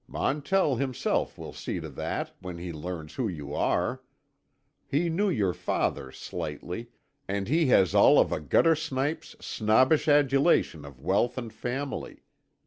Montell himself will see to that, when he learns who you are. He knew your father slightly, and he has all of a guttersnipe's snobbish adulation of wealth and family.